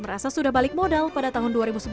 merasa sudah balik modal pada tahun dua ribu sebelas